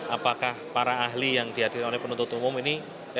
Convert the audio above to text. apakah para ahli yang dihadir oleh penuntut umum ini